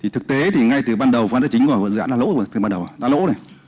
thực tế ngay từ ban đầu phán giá chính của dự án đã lỗ